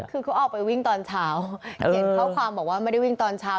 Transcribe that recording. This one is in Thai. คือเขาออกไปวิ่งตอนเช้าเขียนข้อความบอกว่าไม่ได้วิ่งตอนเช้า